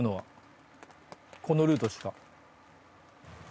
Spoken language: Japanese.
このルートしか。